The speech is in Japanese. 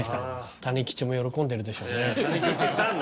他人吉も喜んでるでしょうね